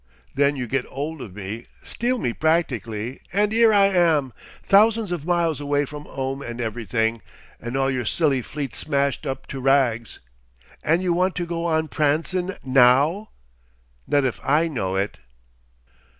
Then you get 'old of me steal me practically and 'ere I am, thousands of miles away from 'ome and everything, and all your silly fleet smashed up to rags. And you want to go on prancin' NOW! Not if 'I know it!